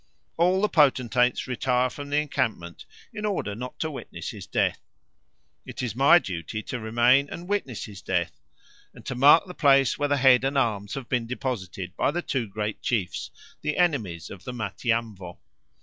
All the potentates retire from the encampment, in order not to witness his death. It is my duty to remain and witness his death, and to mark the place where the head and arms have been deposited by the two great chiefs, the enemies of the Matiamvo.